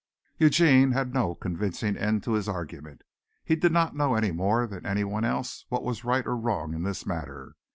Eugene had no convincing end to his argument. He did not know any more than anyone else what was right or wrong in this matter.